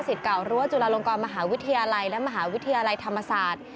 เก่ารั้วจุฬาลงกรมหาวิทยาลัยและมหาวิทยาลัยธรรมศาสตร์